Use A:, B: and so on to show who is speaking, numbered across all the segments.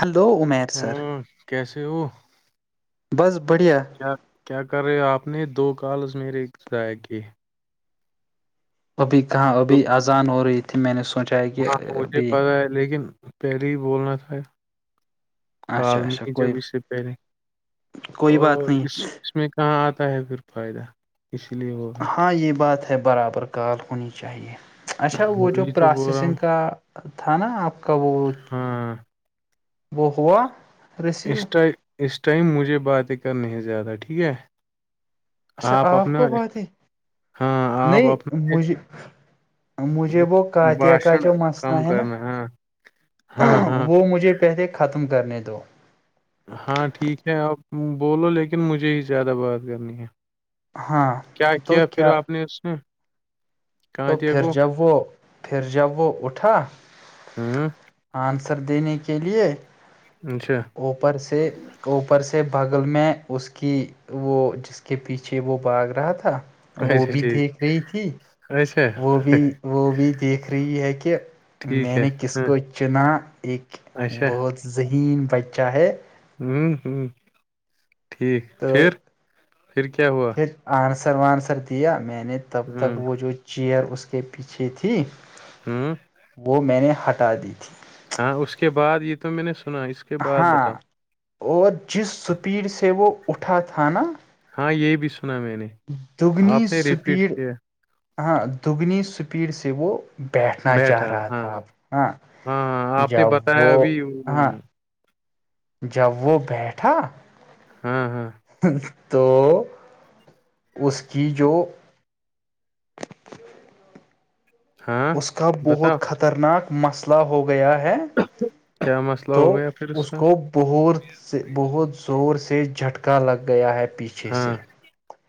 A: Hello Amir
B: ہوں کیسے ہو
A: بس بڑھیا
B: کیا کیا کر رہے آپ نے دو کالز میرے ضائع کیے
A: ابھی کہاں
B: تو
A: ابھی آذان ہو رہی تھی میں نے سوچا ہے کہ
B: ہاں مجھے
A: ابھی
B: پتا ہے لیکن پہلے ہی بولنا تھا
A: اچھا اچھا
B: کالمی
A: کوئی
B: جب اس سے پہلے
A: کوئی بات
B: اور
A: نہیں
B: اس اس میں کہاں آتا ہے پھر فائدہ اس لیے وہ
A: ہاں یہ بات ہے برابر کال ہونی چاہیے اچھا
B: ہوں،
A: وہ جو
B: وہی تو بول رہا ہوں
A: پروسیسنگ کا تھا نا آپ کا وہ
B: ہاں
A: وہ ہوا ریسیو
B: اس ٹائم اس ٹائم مجھے باتیں کرنی ہے زیادہ ٹھیک ہے
A: اچھا آپ کو بات ہے
B: ہاں آپ
A: نہیں
B: اپنا
A: مجھے مجھے وہ کاتیا کا
B: بھاشن
A: جو مسنا
B: کم
A: ہے نا
B: کرنا ہاں ہاں ہاں
A: وہ مجھے پہلے ختم کرنے دو
B: ہاں ٹھیک ہے آپ بولو لیکن مجھے ہی زیادہ بات کرنی ہے
A: ہاں
B: کیا کیا پھر آپ نے اس میں
A: تو پھر جب وہ پھر جب وہ اٹھا
B: ہاں
A: آنسر دینے کے لیے
B: اچھا
A: اوپر سے اوپر سے بغل میں اس کی وہ جس کے پیچھے وہ باغ رہا تھا وہ
B: اچھا
A: بھی
B: ٹھیک
A: دیکھ رہی تھی
B: اچھا
A: وہ بھی وہ بھی دیکھ رہی ہے کہ
B: ٹھیک
A: میں
B: ہے
A: نے کس
B: ہاں
A: کو چنا ایک
B: اچھا
A: بہت ذہین بچہ ہے
B: ہوں ہ ٹھیک
A: تو
B: پھر پھر کیا ہوا
A: پھر آنسر وانسر دیا میں نے تب تک
B: ہوں
A: وہ جو چیئر اس کے پیچھے تھی
B: ہوں
A: وہ میں نے ہٹا دی تھی
B: ہاں اس کے بعد یہ تو میں نے سنا اس کے بعد
A: ہاں
B: بتاؤ
A: اور جس سپیڈ سے وہ اٹھا تھا نا
B: ہاں یہ بھی سنا میں نے
A: دگنی
B: آپ نے ریپیٹ
A: سپیڈ
B: کیا
A: ہاں دگنی سپیڈ سے وہ بیٹھنا چاہ
B: بیٹھا
A: رہا
B: ہاں
A: تھا اب ہاں
B: ہاں آپ نے
A: جب
B: بتایا
A: وہ
B: ابھی
A: ہاں
B: ہوں،
A: جب وہ بیٹھا
B: ہوں ہوں
A: تو اس کی جو
B: ہاں
A: اس کا
B: بتاؤ
A: بہت خطرناک مسئلہ ہو گیا ہے
B: کیا مسئلہ
A: تو
B: ہو گیا پھر
A: اس
B: کا
A: کو بہت سے بہت زور سے جھٹکا لگ گیا ہے پیچھے اچھے
B: ہاں
A: سے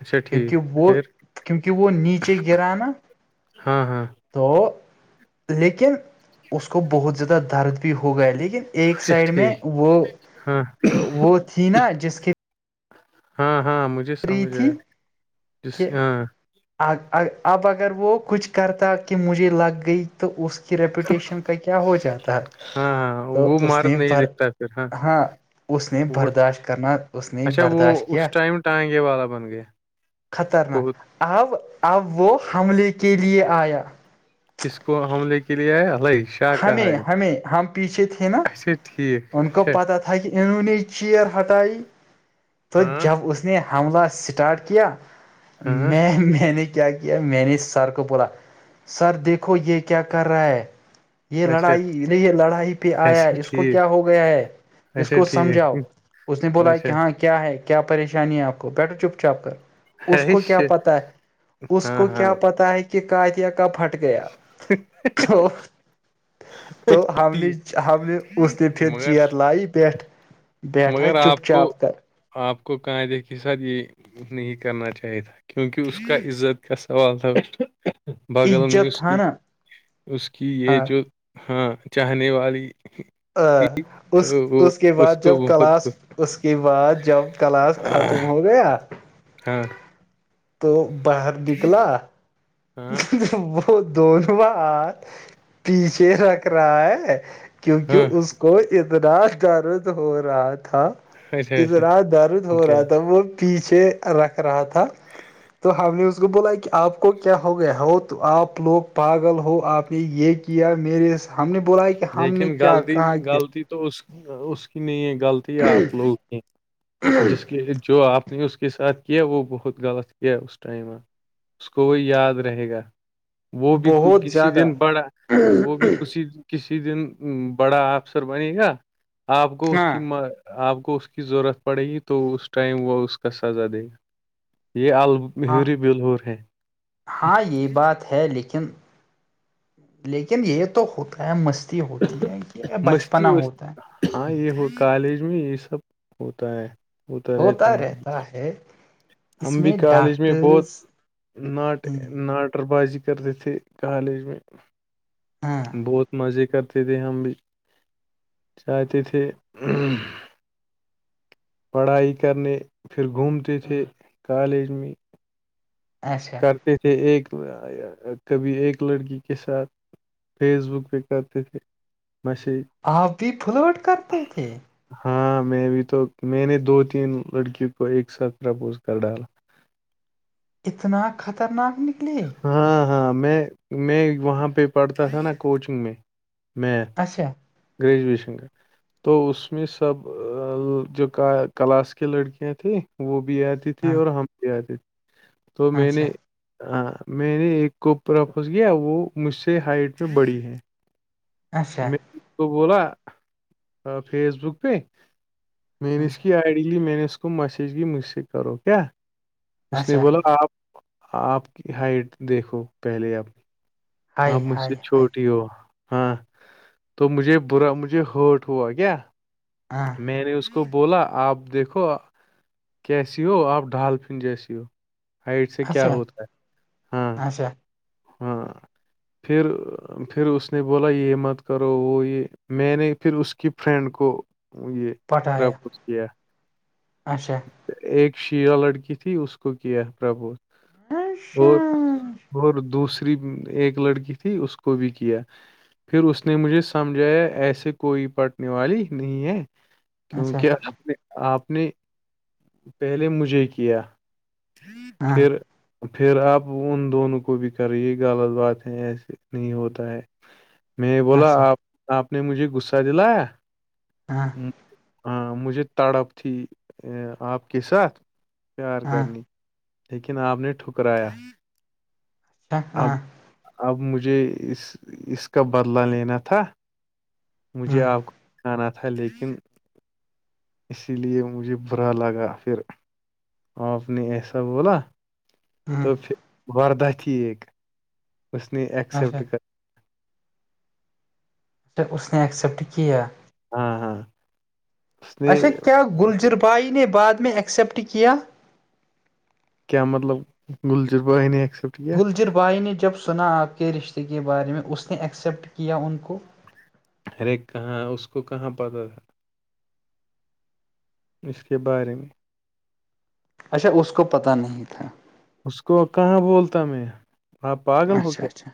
B: اچھا ٹھیک
A: کیونکہ وہ
B: پھر
A: کیونکہ وہ نیچے گرا نا
B: ہاں ہاں
A: تو لیکن اس کو بہت زیادہ درد بھی ہو گیا لیکن ایک
B: اچھا
A: سائڈ میں
B: ٹھیک
A: وہ
B: ہاں
A: وہ تھی نا جس کے
B: ہاں ہاں مجھے
A: رہی
B: سمجھ آ
A: تھی
B: جس
A: کہ
B: ہاں
A: اب اگر وہ کچھ کرتا کہ مجھے لگ گئی تو اس کی ریپوٹیشن کا کیا ہو جاتا
B: ہاں ہاں
A: تو
B: وہ
A: اس
B: مرد
A: نے ب
B: نہیں دکھتا پھر
A: ہاں اس نے
B: وہ
A: برداشت کرنا اس نے
B: اچھا وہ
A: برداشت کیا
B: اس ٹائم ٹانگے والا بن گیا
A: خطرناک
B: بہت
A: اب اب وہ حملے کے لیے آیا
B: کس کو حملے کے لیے ہے الش
A: ہمیں ہمیں ہم پیچھے تھے نا
B: اچھا ٹھیک
A: ان کو
B: اچھا
A: پتا تھا تک کہ انون چیر ہٹائیے تو
B: ہاں
A: جب اس نے حملہ اسٹارٹ کیا
B: ہاں
A: میں میں نے کیا کیا کیا میں نے سر کو بولا سر دیکھو یہ کیا کر رہا ہے یہ
B: اچھا
A: لڑائی یہ لڑائی پہ آیا
B: اچھا
A: اس کو
B: ٹھیک
A: کیا ہو گیا ہے اس
B: اچھا
A: کو
B: ٹھیک
A: سمجھاؤ اس نے بولا
B: اچھا
A: کہ ہاں کیا ہے کیا پریشانی ہے آپ کو بیٹھو چپ چاپ کر اس
B: ارے
A: کو کیا
B: شٹ
A: پتا ہے اس
B: ہاں
A: کو
B: ہاں
A: کیا پتا ہے کہ کہ کاتیا کب پھٹ گیا تو تو
B: اچھا
A: ہم نے
B: ٹھیک
A: ہم نے اس نے پھر
B: مگر
A: چیر لائی پی
B: مگر آپ کو آپ کو کائدے کے ساتھ یہ نہیں کرنا چاہیے تھا کیونکہ اس کا عزت کا سوال تھا بغل میں
A: عزت
B: اس
A: تھا
B: کی
A: نا
B: اس کی یہ
A: ہاں
B: جو ہاں چاہنے والی تو
A: اس
B: وہ
A: اس کے بعد
B: کو
A: جب
B: بہت
A: کلاس اس کے بعد جب کلاس ختم
B: آہ،
A: ہو گیا
B: ہاں
A: تو باہر نکلا
B: ہاں
A: وہ دونوں ہات پیچھے رکھ رہا ہے
B: ہاں
A: کیونکہ اس کو اتنا درد ہو رہا تھا
B: اچھا اچھا
A: اتنا درد ہو رہا تھا
B: امتیاز
A: وہ پیچھے رکھ رہا تھا تو ہم نے اس کو بولا کہ آپ کو کیا ہو گیا ہو تو آپ لوگ پاگل ہو آپ نے یہ کیا میرے ہم نے بولا کہ ہم نے
B: لیکن
A: کیا
B: غلطی
A: کہا کہ
B: غلطی تو اس کی نہیں ہے غلطی اپ لوگوں کی ہے جس جو آپ نے اس کے ساتھ کیا وہ بہت غلط کیا اس ٹائم آپ نے اس کو وہ یاد رہے گا وہ بھی
A: بہت
B: کسی
A: زیادہ
B: دن بڑا وہ بھی کسی کسی دن بڑا آفسر بنے گا آپ کو اس
A: ہاں
B: کی آپ کو اس کی ضرورت پڑے گی تو اس ٹائم وہ اس کا سزا دے گا
A: ہاں
B: یہ [inaudible]
A: ہاں یہ بات ہے لیکن لیکن یہ تو ہوتا ہے مستی ہوتی ہے کہ یہ
B: مستی
A: بچپنا
B: وستی
A: ہوتا ہے
B: ہاں یہ ہو کالج میں یہ سب ہوتا ہے ہوتا رہتا ہے ہم
A: اس
B: بھی
A: میں
B: کالج میں بہت
A: ڈاکٹرس
B: ناٹ
A: ہ
B: ناٹ ناٹک بازی کرتے تھے کالج میں
A: ہاں
B: بہت مزے کرتے تھے ہم بھی جاتے تھے پڑھائی کرنے پھر گھومتے تھے کالج میں
A: اچھا
B: تھے کرتے ایک کبھی ایک لڑکی کے ساتھ فیس بک پہ کرتے تھے میسیج
A: آپ بھی فلاٹ کرتے تھے
B: ہاں میں بھی تو میں نے دو تین لڑکیوں کو ایک ساتھ پرپوز کر ڈالا
A: اتنا خطرناک نکلے
B: ہاں ہاں میں میں وہاں پہ پڑھتا تھا نا کوچنگ میں میات
A: اچھا
B: گریجویشن تو اس میں سب جو کلاس کی لڑکیاں تھی وہ بھی آتی تھی
A: ہاں
B: اور ہم بھی آتے تھے تو میں
A: اچھا
B: نے میں نے ایک کوپ اپوز کیا وہ مجھ سے ہائٹ میں بڑی ہے
A: اچھا
B: تو بولا فیس بک پہ مینس کی آئی ڈیی میانس کو میسیج گی مجھ سے کرو کیا اس نے
A: اچھا
B: بولا آپ آپ کی ہائٹ دیکھو پہلے اپپنی
A: ہائی
B: آپ مجھ سے
A: ہائی ہائی
B: چھوٹی ہی ہو ہاں تو مجھے برا مجھے ہرٹ ہوا کیا
A: ہاں
B: میں نے اس کو بولا آپ دیکھو کیسی ہو آپ ڈالفن جیسی ہو ہائٹ سے کیا
A: اچھا
B: ہوتا ہے ہاں
A: اچھا
B: ہاں پھر پھر اس نے بولا یہ مت کرو وہ یہ میں نے پھر اس کی فرینڈ کو یہ
A: پٹایا
B: پرپوز کیا
A: اچھا
B: ایک شیع لڑکی تھی اس کو کیا پربو
A: اچھا
B: اور اور دوسرے ری ایک لڑکی تھی اس کو بھی کیا پھر اس نے مجھے سمجھایا ایسے کوئی پٹنے والی نہیں ہے
A: اچھا
B: کیونکہ آ نے آپ نے پہلے مجھے کیا
A: ہاں
B: پھر پھر آپ ان دونوں کو بھی کریں یہ غلط بات ہے ایسے نہیں ہوتا ہے میں بولا
A: اچھا
B: آ آپ نے مجھے غصہ دلایا
A: ہاں
B: م- ہاں مجھے تڑپ تھی ا آپ کے ساتھ پیار
A: ہاں
B: کرنی لیکن آپ نے ٹھکرایا اب
A: ہاں
B: اب مجھے اس اس کا بدلہ لینا تھا مجھے
A: ہ
B: آپ کو آاننا تھا لیکن اسی لیے مجھے ب رہ لگا پھر آپ نے ایسا بولا
A: ہوں
B: تو پھر وردہ تھییک اس نے
A: اچھا
B: اییکسیپٹ کر
A: اس نے ایکسیپٹ کیا
B: ہاں ہاں اس نے
A: اچھا کیا گلجر بائی نے بعد میں ایکسیپٹ کیا
B: کیا مطلب گلجربہ آا ایسیپٹ
A: گلجر بھائی نے جب سنا آپ کے رشتے کے بارے میں اس نے ایکسیپٹ کیا ان کو
B: ارے کہاں اس کو کہاں پتاہ تھا اس کے بارے میں
A: اچھا اس کو پتہ نہیں تھا
B: اس کو کہاں بولتا میں آپ پاگل ہو
A: اچھا
B: کیا
A: اچھا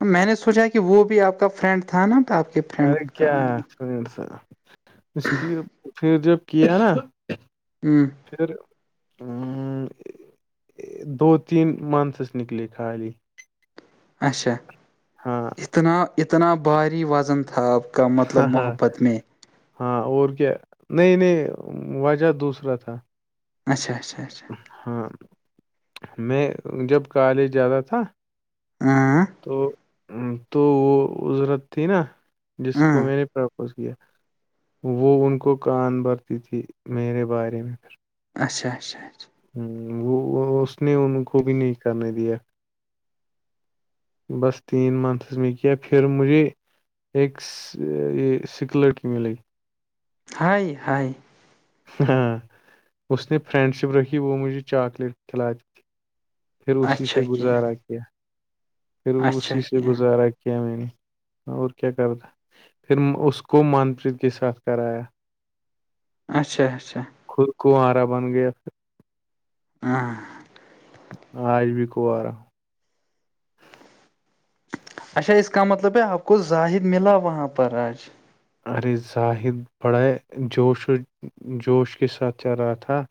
A: ا میں نے سوچا کہ وہ بھی آپ کا فرینڈ تھا نا تو آپ کے فرینڈ کا
B: س اس کی پھر جو کیا نا
A: ہوں
B: پھر دو تین منتھس نکلے خالی
A: اچھا
B: ہاں
A: اتنا اتنا بھاری وزن تھا آپ کا مطلب
B: ہاں ہاں
A: محبت میں
B: ہاں اور کیا نئی نئی وجہ دوسرا تھا
A: اچھا اچھا اچھا
B: ہاں میں جب کالج جاتا تھا
A: ہاں [inaudible]
B: تو تو وہ ازرت تھی نا جس کو
A: ہاں
B: میں نے پرپوز کیا وہ ان کو کان بھرتی تھی میرے بارے میں پھر
A: اچھا اچھا اچھا
B: وہ وہ اس نے ان کو بھی نہیں کرنے دیا بس تین منتھس میں کیا پھر مجھے ایکس یہ سکلر کی ملگ [inaudible]
A: ہائے ہائے
B: ہاں اس نے فرینڈ شپ رکھی وہ مجھے چاکلیٹ کھلا دی پھر اسی سے گزارا کیا پھر
A: اچھا
B: اسی سے
A: کیا
B: گزارا کیا میں نے اور کیا کرتا پھر اس کو من پریت کے ساتھ کرایا
A: اچھا اچھا
B: خود کوآرا بن گیا پھر
A: ہاں [inaudible]
B: آج بھی کنوارہ ہوں
A: اچھا اس کا مطلب ہے آپ کو زاہد ملا وہاں پر آج
B: ارے زاہد بڑا جوش و جوش کے ساتھ چل رہا تھا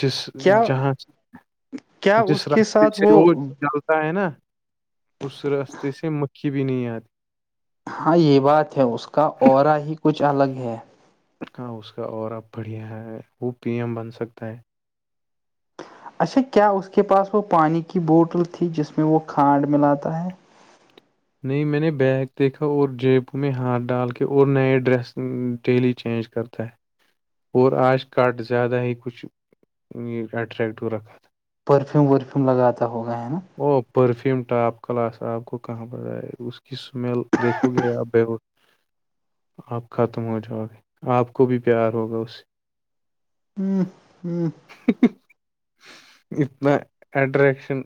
B: جس
A: کیا
B: جہاں سے
A: کیا
B: جس
A: اس کے
B: رستے
A: ساتھ
B: سے وہ جل [inaudible] ر ہے نا اس راستے سے مکھی بھی نہیں آتی
A: ہاں یہ بات ہے اس کا اورہ ہی کچھ الگ ہے
B: ہاں اس کا اورہ بڑھیا ہے وہ پی ایم بن سکتا ہے
A: اچھا کیا اس کے پاس وہ پانی کی بوٹل تھی جس میں وہ کھانڈ ملاتا ہے
B: نہیں میں نے بیگ دیکھا اور جیب میں ہاتھ ڈال کے اور نئے ڈریس ڈیلی چینج کر تو [inaudible] اور آج کٹ زیادہ ہی کچھ اٹرییکٹو رکھا تھا
A: پرفیوم ورفیوم لگاتا ہوگا ہے نا
B: وہ پرفیوم ٹاپ کلاس آپ کو کہاں پر آ ہے اس کی اسمیل دیکھو گے آپ بھی آپ ختم ہو جاؤ گے آپ کو بھی پیار ہوگا اس سے
A: ہوں ہوں [inaudible]
B: اتنا اٹریکشن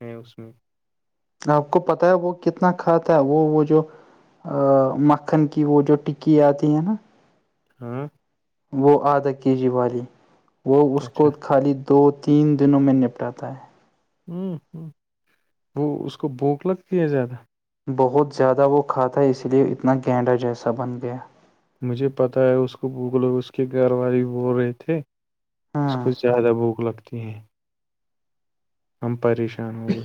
B: ہیں اس میں
A: آپ کو پتا ہے وہ کتنا کھاتا ہے وہ وہ جو مکھن کی وہ جو ٹکی آتی ہے نا
B: ہاں [inaudible]
A: وہ آدھا کے جی والی وہ اس
B: اچھا
A: کو خالی دو تین دنوں میں نپٹاتا ہے
B: ہوں ہوں وہ اس کو بھوک لگتی ہیں زیادہ
A: بہت زیادہ وہ کھاتا ہے اس لیے اتنا گینڈا جیسا بن گیا
B: مجھے پتہ ہے اس کو بوگلو اس کے گھر والے بول رہے تھے اس کو
A: ہاں
B: زیادہ بھوک لگتی ہے ہم پریشان ہونگے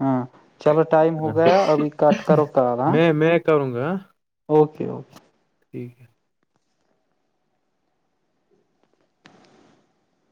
A: ہاں چلو ٹائم ہو گیا ابھی کٹ کرو کال ہاں
B: میں میں کروں گا ہاں؟
A: اوکے اوکے
B: ٹھیک ہے